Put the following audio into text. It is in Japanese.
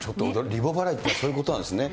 リボ払いってそういうことなんですね。